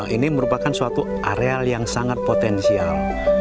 ini merupakan suatu areal yang sangat potensial